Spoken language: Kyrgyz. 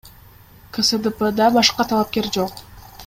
КСДПда башка талапкер жок.